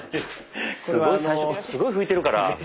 すごい最初すごい拭いてるから。